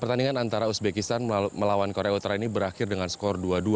pertandingan antara uzbekistan melawan korea utara ini berakhir dengan skor dua dua